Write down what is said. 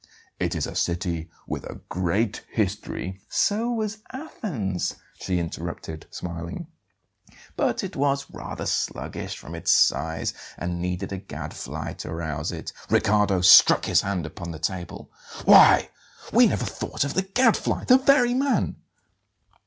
It is a city with a great history " "So was Athens," she interrupted, smiling; "but it was 'rather sluggish from its size and needed a gadfly to rouse it' " Riccardo struck his hand upon the table. "Why, we never thought of the Gadfly! The very man!"